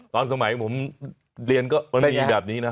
ตอนสมัยผมเรียนก็ไม่มีแบบนี้นะ